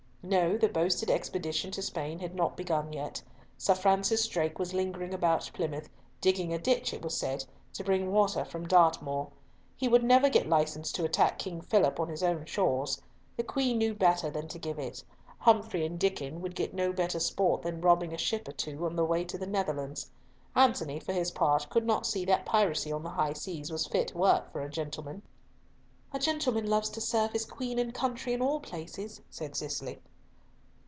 No, the boasted expedition to Spain had not begun yet. Sir Francis Drake was lingering about Plymouth, digging a ditch, it was said, to bring water from Dartmoor. He would never get license to attack King Philip on his own shores. The Queen knew better than to give it. Humfrey and Diccon would get no better sport than robbing a ship or two on the way to the Netherlands. Antony, for his part, could not see that piracy on the high seas was fit work for a gentleman. "A gentleman loves to serve his queen and country in all places," said Cicely.